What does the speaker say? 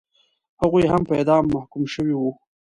هغوی هم په اعدام محکوم شوي وو.